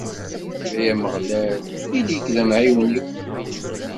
Ay Ameɣlal, ili-k d amɛiwen-iw!